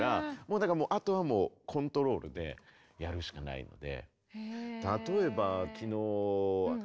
だからあとはもうコントロールでやるしかないので。